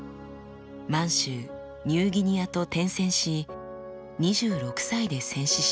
満州ニューギニアと転戦し２６歳で戦死しました。